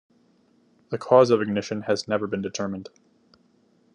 The cause of ignition has never been determined.